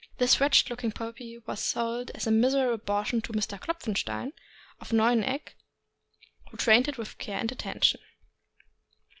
This wretched looking little puppy was sold as a miserable abortion to Mr. Klopfenstein, of Neunegg, who trained it with care and attention.